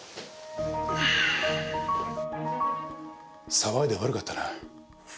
騒いで悪かったな。